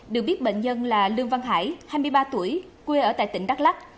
được biết bệnh nhân là lương văn hải hai mươi ba tuổi quê ở tại tỉnh đắk lắc